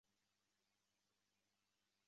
有人认为跟美洲印第安人过度捕猎有关。